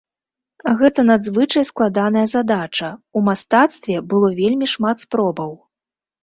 Гэта надзвычай складаная задача, у мастацтве было вельмі шмат спробаў.